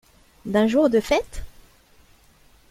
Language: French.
D’un jour de fête ?